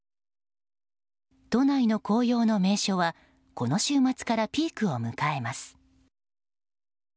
都内の紅葉の名所はこの週末からピークを迎えます。